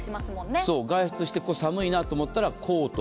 外出して寒いなと思ったらコートを